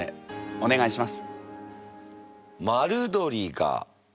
お願いします。